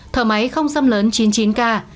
thở máy không xâm lớn chín mươi chín ca